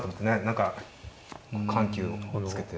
何か緩急をつけて。